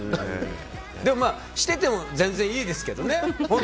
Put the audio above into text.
でも、してても全然いいですけどね。